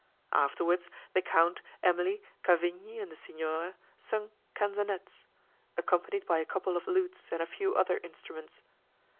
Afterwards, the Count, Emily, Cavigni, and the Signora, sung canzonettes, accompanied by a couple of lutes and a few other instruments.